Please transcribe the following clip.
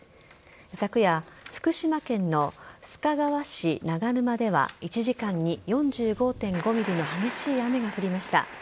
昨夜、福島県の須賀川市長沼では１時間に４５．５ｍｍの激しい雨が降りました。